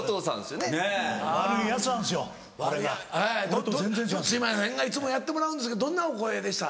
すいませんがいつもやってもらうんですけどどんなお声でした？